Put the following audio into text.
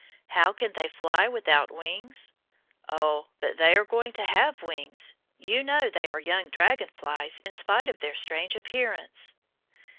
How can they fly without wings? Oh, but they are going to have wings. You know they are young dragon flies in spite of their strange appearance.